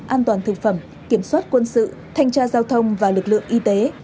an toàn thực phẩm kiểm soát quân sự thanh tra giao thông và lực lượng y tế